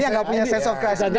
saya juga singkat saja